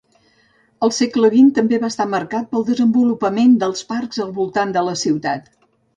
El segle vint també va estar marcat pel desenvolupament dels parcs al voltant de la ciutat.